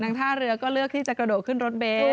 ท่าเรือก็เลือกที่จะกระโดดขึ้นรถเบน